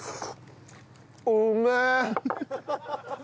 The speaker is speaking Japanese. うめえ！